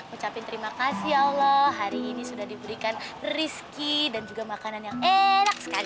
ucapin terima kasih allah hari ini sudah diberikan rizki dan juga makanan yang enak sekali